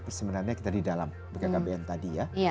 sebenarnya kita di dalam bkkbn tadi ya